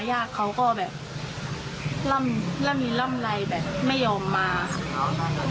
ญาติเขาก็แบบลำลินลำไรแบบไม่ยอมมา